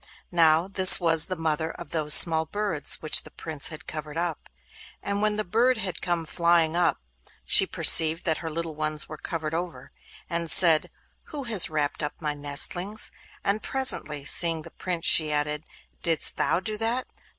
Now this was the mother of those small birds which the Prince had covered up. And when the bird had come flying up, she perceived that her little ones were covered over, and she said, 'Who has wrapped up my nestlings?' and presently, seeing the Prince, she added: 'Didst thou do that?